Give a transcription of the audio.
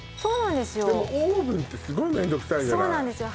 でもオーブンってすごい面倒くさいじゃないそうなんですよ